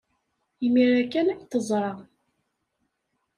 Imir-a kan ay t-teẓra.